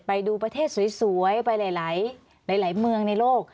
ไปดูประเทศสวยไปหลายเมืองในโลก